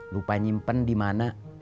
lupa nyimpen di mana